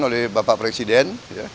oleh bapak presiden